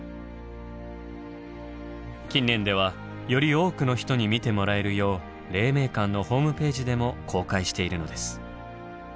近年ではより多くの人に見てもらえるよう黎明館のホームページでも公開しているのです。